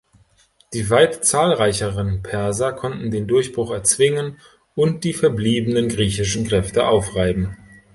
Die weit zahlreicheren Perser konnten den Durchbruch erzwingen und die verbliebenen griechischen Kräfte aufreiben.